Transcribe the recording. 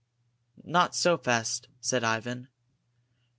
"Not so fast," said Ivan.